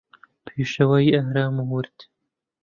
پێشەوای ئارام و ورد